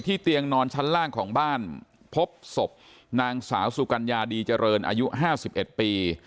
เตียงนอนชั้นล่างของบ้านพบศพนางสาวสุกัญญาดีเจริญอายุ๕๑ปี